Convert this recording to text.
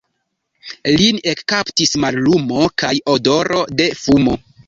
Lin ekkaptis mallumo kaj odoro de fumo.